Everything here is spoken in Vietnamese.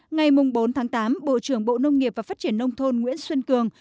ngày bốn tháng tám bộ trưởng bộ nông nghiệp và phát triển nông thôn nguyễn xuân cường